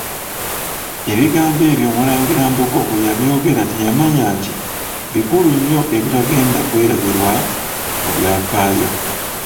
Ebigambo ebyo Omulangira Mbogo bwe yabyogera teyamanya nti bikulu nnyo ebitagenda kwerabirwa mu byafaayo.